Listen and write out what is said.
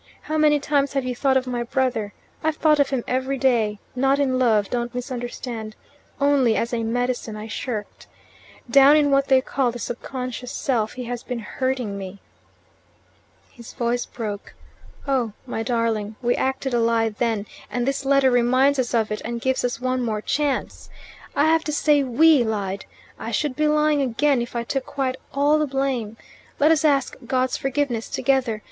How many times have you thought of my brother? I've thought of him every day not in love; don't misunderstand; only as a medicine I shirked. Down in what they call the subconscious self he has been hurting me." His voice broke. "Oh, my darling, we acted a lie then, and this letter reminds us of it and gives us one more chance. I have to say 'we' lied. I should be lying again if I took quite all the blame. Let us ask God's forgiveness together.